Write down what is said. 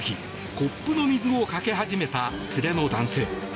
コップの水をかけ始めた連れの男性。